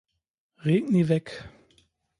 Regni Veg.